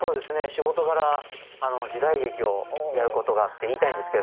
仕事柄時代劇をやることがって言いたいんですけど